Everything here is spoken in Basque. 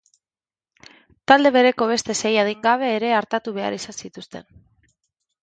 Talde bereko beste sei adingabe ere artatu behar izan zituzten.